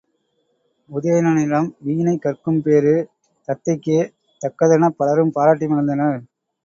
உதயணனிடம் வீணை கற்கும்பேறு தத்தைக்கே தக்கதெனப் பலரும் பாராட்டி மகிழ்ந்தனர்.